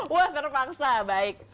wah terpaksa baik